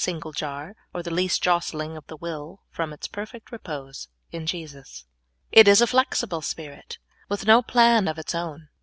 single jar or the least jostling of the will from its perfect repose in Jesus. 134 SOUL FOOD. It is a flexible spirit, with no plan of its own.